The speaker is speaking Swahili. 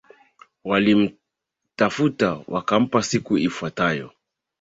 Walimtafuta wakampata siku ifuatayo